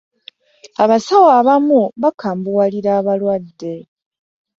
abasawo abamu bakambuwalira abalwadde.